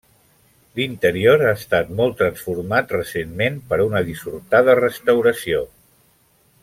L'interior ha estat molt transformat recentment per una dissortada restauració.